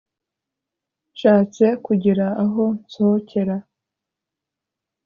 nshatse kugira aho nsohokera